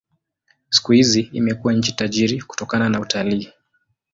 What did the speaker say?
Siku hizi imekuwa nchi tajiri kutokana na utalii.